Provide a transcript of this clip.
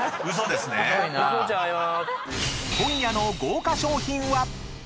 ［今夜の豪華賞品は⁉］